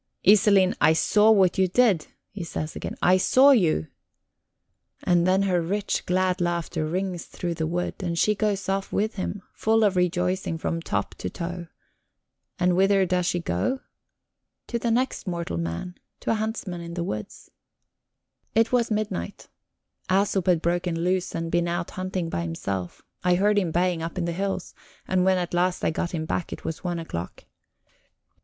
"Iselin, I saw what you did," he says again; "I saw you." And then her rich, glad laughter rings through the wood, and she goes off with him, full of rejoicing from top to toe. And whither does she go? To the next mortal man; to a huntsman in the woods. It was midnight. Æsop had broken loose and been out hunting by himself; I heard him baying up in the hills, and when at last I got him back it was one o'clock.